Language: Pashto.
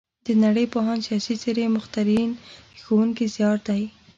د نړۍ پوهان، سیاسي څېرې، مخترعین د ښوونکي زیار دی.